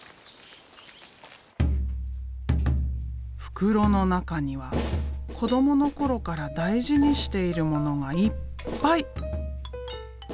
袋の中には子どもの頃から大事にしているものがいっぱい。